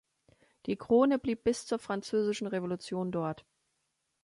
Die Krone blieb bis zur Französischen Revolution dort.